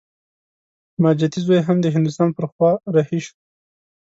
ماجتي زوی هم د هندوستان پر خوا رهي شو.